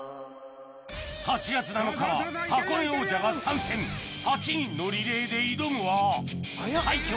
８月７日は箱根王者が参戦８人のリレーで挑むは最強！